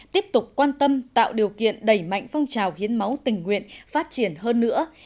tiếp tục quan tâm tạo điều kiện đẩy mạnh phong trào hiến máu tình nguyện phát triển hơn nữa